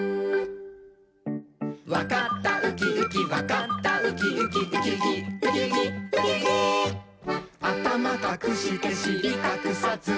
「わかったウキウキわかったウキウキ」「ウキウキウキウキウキウキ」「あたまかくしてしりかくさず」